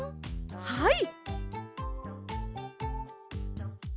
はい！